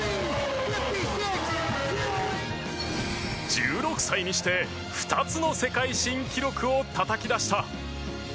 １６歳にして、２つの世界新記録をたたき出した。